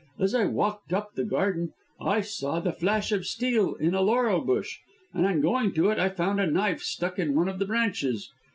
As I walked up the garden I saw the flash of steel in a laurel bush, and on going to it I found a knife stuck in one of the branches.